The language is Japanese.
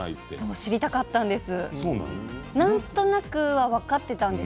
知りたかったんです。